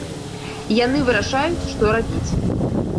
Яны вырашаюць, што рабіць.